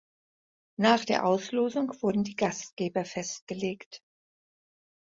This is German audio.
Nach der Auslosung wurden die Gastgeber festgelegt.